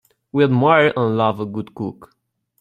We admire and love a good cook.